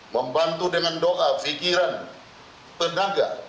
membantu dengan doa pikiran tenaga